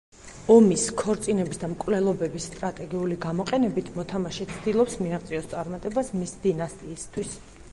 ომის, ქორწინების და მკვლელობების სტრატეგიული გამოყენებით, მოთამაშე ცდილობს მიაღწიოს წარმატებას მის დინასტიისთვის.